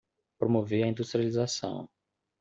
Promover a industrialização